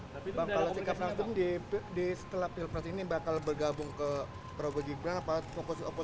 tapi kalau cekat nanggung di setelah pilgrim ini bakal bergabung ke provinsi